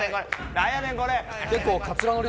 なんやねんこれ！